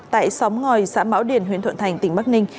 tại xóm ngòi xã mão điền huyện thuận thành tỉnh bắc ninh